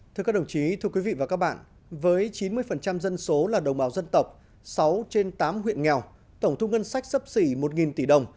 thưa các đồng chí thưa quý vị và các bạn với chín mươi dân số là đồng bào dân tộc sáu trên tám huyện nghèo